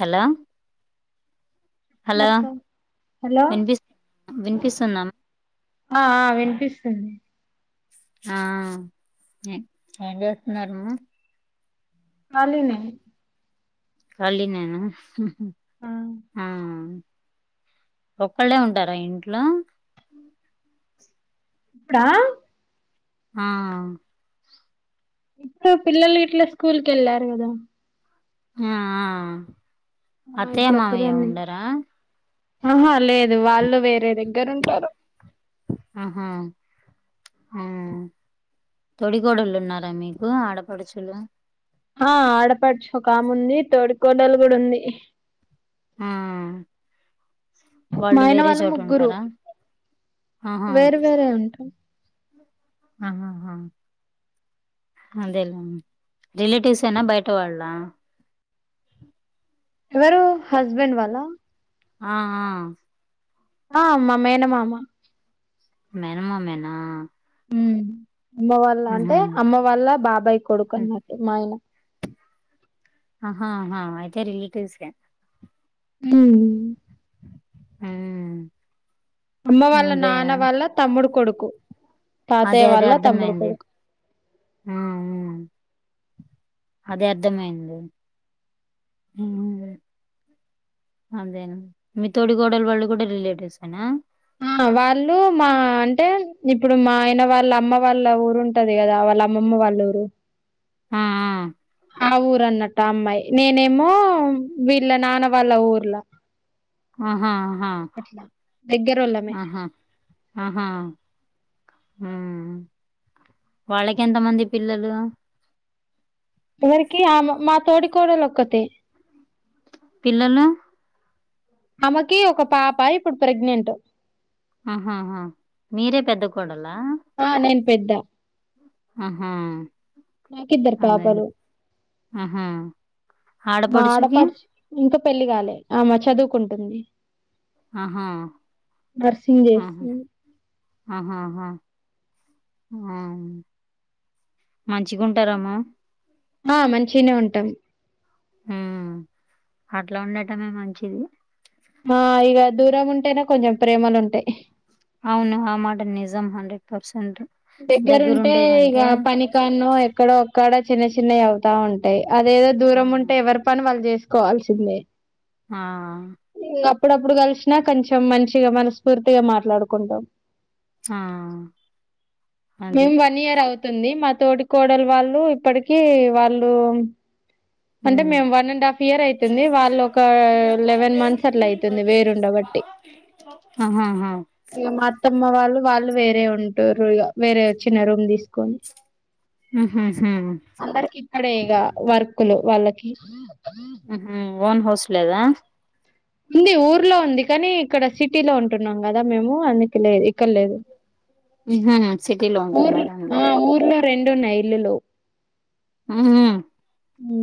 Hello hello hello సన్నాం ఆ వినిపిస్తుంది ఆ ఏం చేస్తున్నారు కాలినె కాళినేనా ఆ ఒక్కళ్ళే ఉంటారా ఇంట్లో అప్పుడ ఆ ఇప్పుడు పిల్లలు ఇట్లా స్కూల్కెళ్ళారు కదా ఆ ఆ ఇప్పుడు అత్తయ్యమవయ్య ఒక్కదాన్ని ఉండరా ఆహా లేదు వాళ్ళు వేరే దగ్గర ఉంటరు ఆహా ఆ తొడి కోడళ్ళు ఉన్నారా మీకు ఆడపడుచులు ఆ ఆడపడుచు ఒకకాముంది తోడి కోడలు కూడా ఉంది ఆ మా వాళ్ళు ఆయన వేరే చోటు ముగ్గురు ఉంటారా ఆహా ఉంటా ఆహాహా అదేలా రిలేటివ్స్ ఏనా బయట వాళ్ల ఎవరు హస్బెండ్ వాళ్ళా ఆ ఆ ఆ మా మేనమామ మేనమా మేనా అమ్మ వాల్ళ అంటే అమ్మ ఉహు వాల్ళ బాబాయ్ కొడుకు అన్నట్టు మా ఆయన హాహా అయితే రిలేటివ్స్సే ఉ ఉ అమ్మ వాళ్ళ నాన్న వాల్ళ తమ్ముడు కొడుకు అదే తాతయ్య అదే వాల్ళ తమ్ముడు అర్థమైంది. కొడుకు ఆ ఊ అదే అర్ధమైంది హు అదేనండి మీ తోడి కోడల వాళ్ళు కూడా రిలేటివ్స్ ఏనా ఆ వాళ్ళు మా అంటే ఇప్పుడు మా ఆయన వాళ్ళ అమ్మ వాళ్ళ ఊరుంట టది కదా వాళ్ళ అమ్మమ్మ వాళ్ళ ఊరు ఆ ఆ ఆ ఊరు అన్నట్టు అమ్మాయి నేనేమో వీళ్ళ నాన్న వాళ్ళ ఊర్లా ఆహా ఆహా అట్లా దగ్గరోళ్ళమే ఆహా ఆహా ఆ వాళ్ళకి ఎంతమంది పిల్లలు ఎవరికి ఆమ మా తోడి కోడలు ఒక్కతే పిల్లలు ఆమెకి ఒక పాప ఇప్పుడు ప్రెగ్నెంట్ ఆహహ మీరే పెద్ద కొడలా ఆ నేను పెద్ద ఆహా నాకు ఇద్దరు అదే పాపలు ఆహా మా ఆడపడచుకి ఆడపడుచు ఇంకా పెళ్లి కాలే ఆమె చదువుకుంటుంది ఆహా! నర్సింగ్ ఆహా! చేస్తుంది ఆహాహా ఆ మంచిగా ఉంటారమ్మ ఆ మంచిగనే ఉంటాం హు అట్లా ఉండటమే మంచిది మా ఇగ దూరం ఉంటేనే కొంచెం ప్రేమలు ఉంటాయి అవును ఆ మాట నిజం హండ్రెడ్ పర్సెంట్ దగ్గరుంటే దగ్గరుండే ఇగ కంటే పనిక్ ఎక్కన్నో ఎక్కడో ఒక్కడ చిన్న చిన్నవి అవుతా ఉంటాయి అదేదో ఆ దూరం ఉంటే ఎవరు పని వాళ్ళు చేసుకోవాల్సిందే హా ఇంగ అప్పుడప్పుడు కలిసినా కొంచెం మంచిగా మనస్ఫూర్తిగా మాట్లాడుకుంటాం హా మేం వన్ ఇయర్ అవుతుంది మా తోటి కోడలు వాళ్ళు ఇప్పటికి వాళ్ళు ఉ అంటే మేము వన్ అండ్ హాఫ్ ఇయర్ అయితుంది వాళ్ళు ఒక లెవెన్ మంత్స్ అట్లా అయితుంది వేరుండబట్టి ఆహాహా ఇగ మా అత్తమ్మ వాళ్ళు వాళ్ళు వేరే ఉంటుర్రు ఇగ వేరే చిన్న రూమ్ తీసు కొని ఉహుహు అందరికి ఇక్కడే ఇగ వర్క్ కులు వాళ్ళకి ఉహూ ఓన్ హౌస్ లేదా ఉంది ఊర్లో ఉంది కానీ ఇక్కడ సిటీలో ఉంటున్నాం కదా మేము అందుకు లేదు ఇక్కడ లేదు ఉహూ సిటీలో ఉంటున్నార అందరు రెండున్నాయి ఇల్లులు ఉహు మ్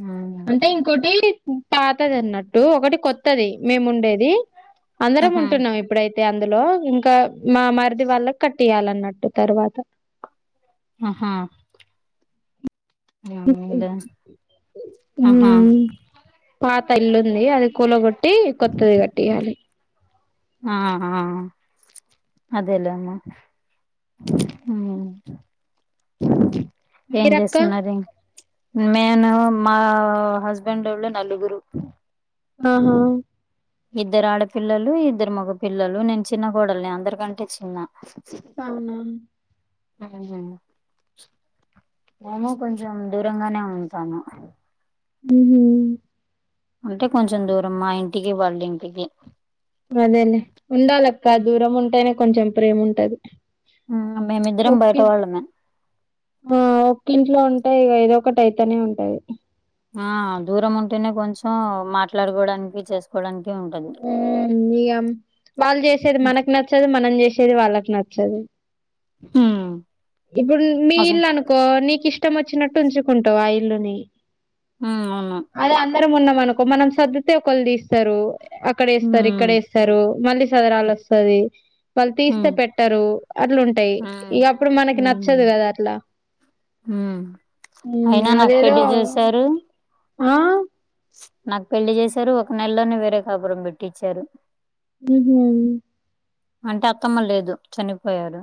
హ్మ్ అంటే ఇంకోటి పాతది అన్నట్టు ఒకటి కొత్తది మేము ఉండేది అందరం ఉహు ఉంటున్నాం ఇప్పుడైతే అందులో ఇంకా మా మరిది వాళ్ళకు కట్టియ్యాలన్నట్టు తర్వాత ఆహా అవునులే ఊ ఆహా పాత ఇల్లుంది అది కూలగొట్టి కొత్తది కట్టియాలి ఆ ఆ అదేలే అమ్మ ఊ ఏం మీరక్క చేస్తున్నాది మేను మా హస్బెండోళ్లు నలుగురు ఆహా ఇద్దరు ఆడపిల్లలు ఇద్దరు మగ పిల్లలు నేను చిన్న కోడల్ని అందరికంటే చిన్న అవునా [inaudible] మేమూ కొంచెం దూరంగానే ఉంటాను ఉహూ అంటే కొంచెం దూరం మా ఇంటికి వాళ్ళ ఇంటికి అదేలే ఉండాలక్క దూరం ఉంటేనే కొంచెం ప్రేమ ఉంటది ఆ మేమిద్దరం ఓకే బయట వాళ్ళమే ఆ ఒక్క ఇంట్లో ఉంటే ఏదో ఒకటి అయితనే ఉంటాయి ఆ దూరం ఉంటేనే కొంచెం మాట్లాడుకోవడానికి చేసుకోవడానికి ఉంటది వాళ్ళు చేసేది మనకు నచ్చదు మనం చేసేది వాళ్ళకి నచ్చదు ఊ ఇప్పుడు మీ ఇల్లు అనుకో నీకు ఇష్టం వచ్చినట్టు ఉంచుకుంటావు ఆ ఇల్లుని ఊ అవును అదే అందరం ఉన్నాం అనుకో మనం సద్దితే ఒకళ్ళు తీస్తారు అక్కడేస్తారు హ్మ్ ఇక్కడేస్తారు మళ్ళీ సదరాలు వస్తది వాళ్ళు తీస్తే హ్మ్ పెట్టరు అట్లుంటాయి హ్మ్ ఇగ అప్పుడు మనకి నచ్చదు కదా అట్లా ఊ అయినా ఉమ్ నాకు అదేదో పెళ్లి చేసారు ఆ ఆ నాకు పెళ్లి చేశారు ఒక నెలలోనే వేరే కాపురం పెట్టిచ్చారు ఊహూ అంటే అత్తమ్మ లేదు చనిపోయారు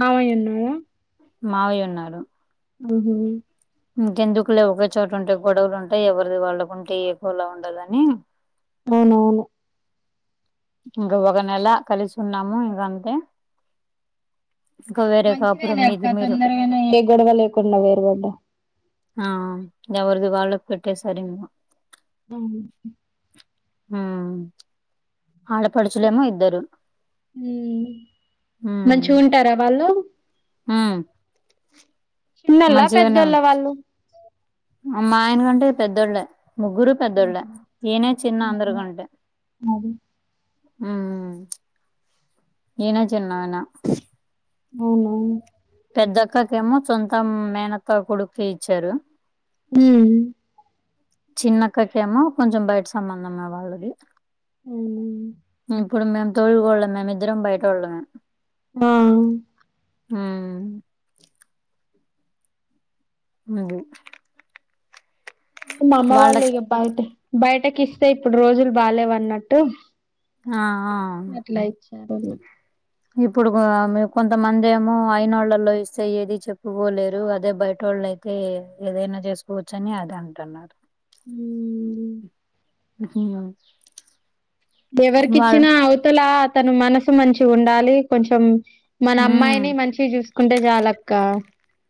మావయ్య ఉన్నాడా మావయ్య ఉన్నారు ఊహూ ఇంకెందుకులే ఒకే చోట ఉంటే గొడవలు ఉంటాయి ఎవరిది వాళ్ళకుంటే ఏ గోలా ఉండదని అవునా ఇంక ఒక నెల కలిసున్నాము ఇంక అంతే ఇంక వేరే కాపురం మంచిదేలే మీది అక్క మీరు తొందరగానే ఏ గొడవ లేకుండా వేరు పడ్డా ఆ ఎవరిది వాళ్ళకు పెట్టేసారు ఇంగా [inaudible] ఊ ఆడపడుచులేమో ఇద్దరు ఊ మంచిగుంటారా వాళ్ళు ఊ చిన్నోళ్ళ మంచిగానే పెద్దోళ్ళ ఉం వాళ్ళు మా ఆయనకంటే పెద్దోళ్ళే ముగ్గురూ పెద్దోళ్ళే ఈయనే చిన్న అందరు కంటే అది ఉం నేను చిన్ననా అవునా పెద్దక్కకేమో సొంత మేనత్త కొడుకుకె ఇచ్చారు ఉం చిన్నక్కకేమో కొంచెం బయట సంబంధం వాళ్ళది ఉం ఇప్పుడు మేమ్ తోడికోడళ్ళు మేము ఇద్దరం బయటోళ్ళమే ఉం ఉం అది మా అమ్మ వాళ్ళు వాళ్ళకి ఇగా బయట బయటకి ఇస్తే ఇప్పుడు రోజులు బాలేవ్ అన్నట్టు ఆ! ఆ! ఎట్లా ఇచ్చరో ఇప్పుడు ఆమె కొంతమంది ఏమో అయినోళ్ళలో ఇస్తే ఏది చెప్పుకోలేరు అదే బయటోళ్ళు అయితే తే ఏదైనా చేసుకోవచ్చు అని అది అంటున్నారు ఉ ఉ ఎవరికిచ్చినా అవతల అతను మనసు మంచిగా ఉండాలి కొంచెం మన హ్మ్. అమ్మాయిని మంచిగా చూసుకుంటే చాలక్క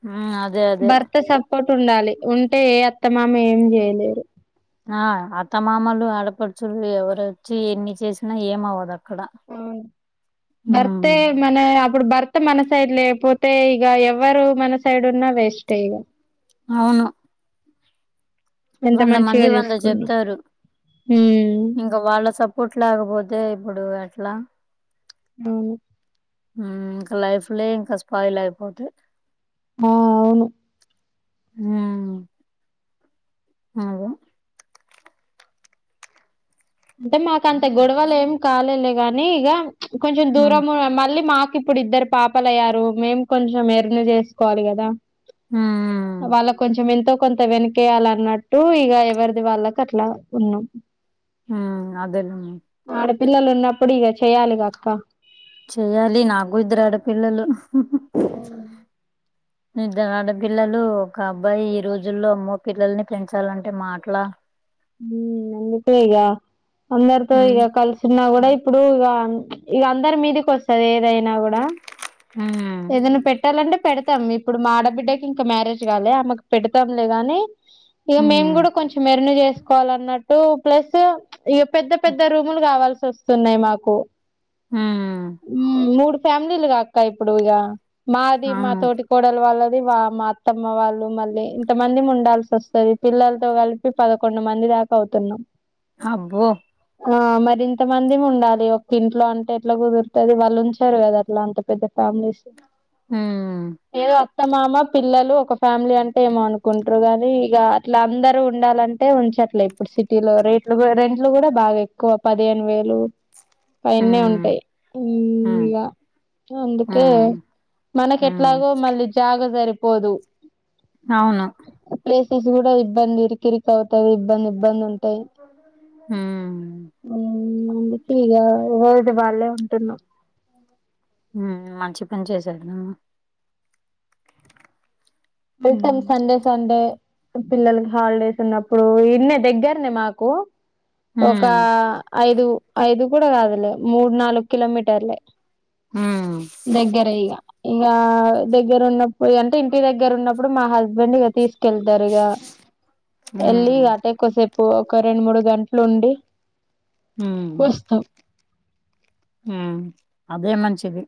హ్మ్. అదే. అదే. భర్త స పోటు ఉండాలి ఉంటే ఏ అత్తమామ ఏం చేయలేరు ఆ అత్తమామలు ఆడపడుచులు ఎవరొచ్చి ఎన్ని చేసినా ఏమ అవ్వదుక్క ఉం భర్తే మన అప్పుడు భర్త మన సైడ్ లేకపోతే ఇగ ఎవ్వరు మన సైడ్ ఉన్నా వేస్ట్ ఇగ అవును ఎంత వంద మంది మంచిగా వంద చూసుకున్నా చెప్తారు ఉమ్ ఇ ఇంకా వాళ్ళ సపోర్ట్ లేకపోతే ఇప్పుడు ఎట్లా అవును ఉం ఇంకా లైఫ్ లో ఇంకా స్పాయిల్ అయిపోతాయి ఆ అవును ఉం అదే అంటే మాకు అంత గొడవలు ఏం కాలేలే గానీ ఇగ చ్ కొంచెం ఉమ్ దూరం మళ్ళీ మాకు ఇప్పుడు ఇద్దరు పాపలయ్యారు మేం కొంచెం ఎర్న్ చేసుకోవాలి కదా ఉమ్ వాళ్ళ కొంచం ఎంతో కొంత వెనకేయాల అన్నట్టు ఇగ ఎవరిది వాళ్ళకి అట్లా ఉన్నాము ఉం అదెలా ఆడ పిల్లలు ఉన్నప్పుడు ఇగా చెయాలిగా అక్క చెయ్యాలి నాకు కూడా ఇద్దరు ఆడ పిల్లలు ఇద్దరు ఆడపిల్లలు ఒక అబ్బాయి ఈ రోజుల్లో అమ్మో పిల్లల్ని పెంచాలంటే మాటలా ఉం అందుకే ఇగా అందరితో ఉమ్ ఇగా కల్సి స్తున్నా కూడా ఇప్పుడు ఇగ ఇగ అందరి మీదికి వస్తది ఏదైనా కూడా ఆ ఏదైనా పెట్టాలంటే పెడతాం ఇప్పుడు మా ఆడబిడ్డకి ఇంకా మ్యారేజ్ కాలే ఆమెకు పెడతాంలే గాని ఇగా మేము ఉమ్ కూడా కొంచెం ఎర్న్ చేసుకోవాల అన్నట్టు ప్లస్ ఇగ పెద్ద పెద్ద రూములు కావాల్సి వస్తున్నాయి మాకు మ్ మూడు ఫ్యామిలీలుగా అక్క ఇప్పుడు ఇగ మాది ఆ మాతోటి కోడల వాళ్ళది వా మా అత్తమ్మ వాళ్ళు మళ్ళీ ఇంతమంది ఉండాల్సి వస్ ది పిల్లలతో కలిపి పదకొండు మంది దాకా అవుతున్నాం అబ్బో ఆ మరింత మంది ఉండాలి ఒక్క ఇంట్లో అంటే ఎట్లా కుదురుతది వాళ్ళు ఉంచరు కదా అట్లా అంత పెద్ద తాంనేసి హ్మ్ ఏదో అత్తమామ పిల్లలు ఒక ఫ్యామిలీ అంటే ఏమో అనుకుంట్రు గానీ ఇగ అట్లా అందరు ఉండాలన్ టే ఉంచట్లే ఇప్పుడు సిటీలో రేట్లు రెంట్లు కూడా బాగా ఎక్కువ పదిహేను వేలు అయన్ని ఉమ్ ఉంటాయి మ్ ఉమ్ ఇగ అందు కే ఉమ్ మనకి ఉమ్ ఎట్లాగో మళ్ళీ జాగ సరిపోదు అవున ప్లేసెస్ కూడా ఇబ్బంది ఇరికిరికవుతది ఇబ్బంది ఇబ్బంది ఉంటాయి హ్మ్ మ్ అందుకే ఇగ ఇది వాళ్ళే ఉంటున్నా మ్ మంచి పని చేశారన వెళ్తన్ సండే సండే పిల్లలకి హాలిడేస్ ఉన్నప్పుడు ఇడ్నే దగ్గర్నే మాకు ఒక హ్మ్. ఐదు ఐదు కూడా కాదులే మూడు నాలుగు కిలోమీటర్లే హ్మ్ దగ్గరే ఇగ ఇగ దగ్గర ఉన్నప్పుడు అంటే ఇంటి దగ్గర ఉన్నప్పుడు మా హస్ స్బెండ్గా ఇగ తీసుకెళ్తారు ఇగ హ్మ్. ఎళ్ళ హ్మ్. అటే కుసేపు ఒక రెండు మూడు గంటలు ఉండి హ్మ్. వస్తం మ్ అదే మంచిది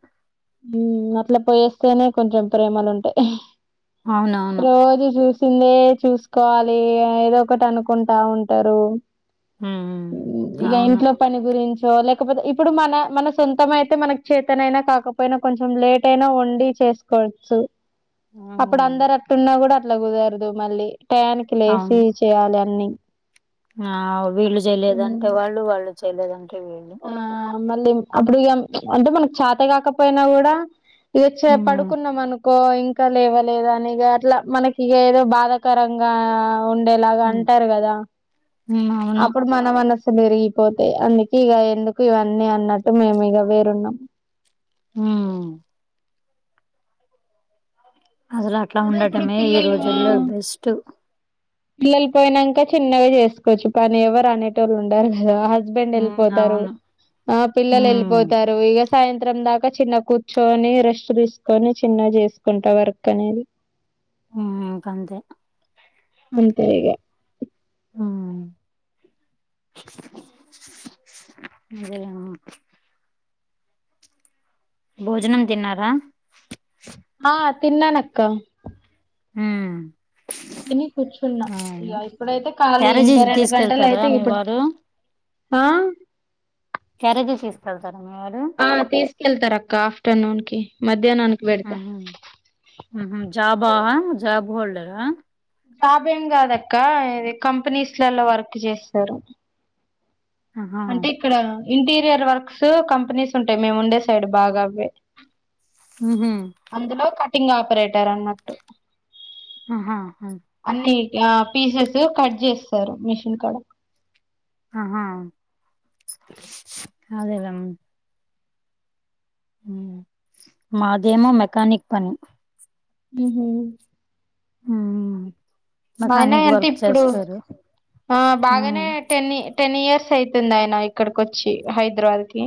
మ్ అట్లా పోయేస్తేనే కొంచెం ప్రేమలు ఉంటాయి అవునవును రోజు చూసిందే చూసుకోవాలి ఏదో ఒకటి అనుకుంటా ఉంటారు హ్మ్. ఇగ అవును. ఇంట్లో పని గురించో లేకపోతే ఇప్పుడు మన మన సొంతమయితే మనకి చేతనయినా కాక పోయినా కొంచెం లేట్ అయినా వండి చేసుకోచ్చు అప్పుడు హ్మ్. అందరు అట్టు ఉన్న కూడా లా కుదరదు మళ్ళీ టయనికి లేసి అవును. చేయాలి అన్ని ఆ వీళ్ళు చేయలేదంటే వాళ్ళు వాళ్ళు చేయలేదంటే వీళ్ళు ఆ మళ్ళీ అప్పుడు ఇగ అంటే మనకి చాత గాకపోయినా కూడా ఇదొచ్చె హ్మ్. పడుకున్నాం అను కో ఇంకా లేవలేదా అని ఇగ అట్లా మనకి ఇగ ఏదో బాధాకరంగా ఉండే ఇలాగ హ్మ్. అంటారు కదా హ్మ్. అవును. అప్పుడు మ మన మనసులు ఇరిగిపోతాయి అందుకే ఇగ ఎందుకు ఇవన్నీ అన్నట్టు మేము ఇగ వేరున్నాం ఉమ్ అసలు అట్లా ఉండటమే ఈ రోజుల్లో బెస్ట్ పిల్లలు పోయినాక చిన్నగా చేసుకోచ్చు పని ఎవరు అనేటోళ్ళు ఉండరు కదా హస్బెండ్ హ్మ్. వెళ్ళిపోతారు అవును. ఆ పిల్లలు హ్మ్. వెళ్ళిపోతారు ఇగ సాయంత్రం దాకా చిన్న కూర్చొని రెస్ట్ తీసుకొని చిన్న చేసుకుంటా వర్క్ అనేది మ్ ఇంకంతే అంతే ఇగ మ్ అదే కద భోజనం తిన్నారా ఆ తిన్నానక్క ఉమ్ తిని కూర్చున్నా ఇక ఇప్పుడైతే ఖాలీ ఇంకా క్యారేజీకి రెండు గంటలు తీసుకెళ్తారా అయితే మీ ఇప్పుడు వారు ఆ క్యారేజీ తీసుకెళ్తార మీ వారు ఆ తీసుకెళ్తారు అక్క ఆఫ్టర్నూన్ కి మధ్యాహ్నానికి పెడతా ఆహా జాబా, జాబ్ హోల్డరా జాబ్ ఏం కాదక్క ఇది కంపెనీస్లలో వర్క్ చేస్తారు ఆహా అంటే ఇక్కడ ఇంటీరియర్ వర్క్స్ కంపెనీస్ ఉంటాయి మేము ఉండే సైడ్ బాగా అవ్వే ఉహూ అందులో కటింగ్ ఆపరేటర్ అన్నట్టు ఆహా అన్ని ఆ పీసెస్ కట్ చేస్తారు మిషిన్ కాడా ఆహా అదేలే ఉమ్ మాదేమో మెకానిక్ పని ఉహు హ ఆయన అంటే ఇప్పుడు ఆ ఉమ్ బాగానే టెన్ని టెన్ ఇయర్స్ అవుతుంది ఆయన ఇక్కడికి వచ్చి హైదరాబాద్ కి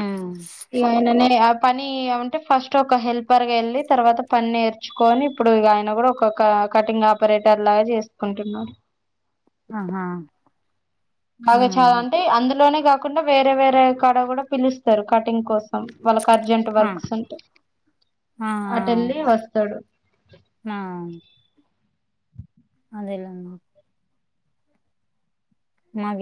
ఉమ్ ఇగ అయిననే పని అంటే ఫస్ట్ ఒక హెల్పర్ గా వెళ్ళి తర్వాత పని నేర్చు కొని ఇప్పుడు ఇగ ఆయన కూడా ఒక కటింగ్ ఆపరేటర్ లాగా చేసుకుంటున్నారు ఆహా బాగా ఉమ్ చాలా అంటే అందులోనే కాకుండా వేరే వేరే కడ కూడా పిలుస్తారు కటింగ్ కో సం వాళ్ళకి అర్జెంట్ ఆ వర్క్స్ ఉంటే ఆ అటు వెళ్ళి వస్తాడు ఆ అదేలేమా మవి